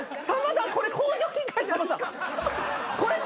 さんまさん。